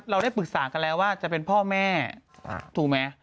เราได้ปรึกษากันแล้วว่าจะเป็นพ่อแม่ถูกไหม